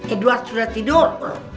edward sudah tidur